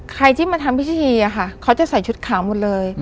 ใครที่มาทำพิธีอะค่ะเขาจะใส่ชุดขาวหมดเลย